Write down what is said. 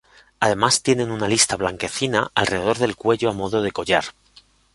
Además tienen una lista blanquecina alrededor del cuello a modo de collar.